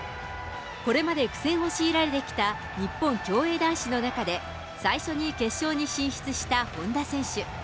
これまで苦戦を強いられてきた日本競泳男子の中で、最初に決勝に進出した本多選手。